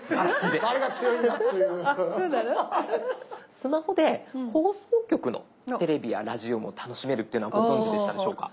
スマホで放送局のテレビやラジオも楽しめるってご存じでしたでしょうか？